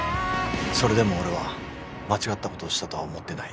それでも俺は間違ったことをしたとは思ってない